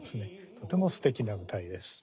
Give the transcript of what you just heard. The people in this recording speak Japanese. とてもすてきな謡です。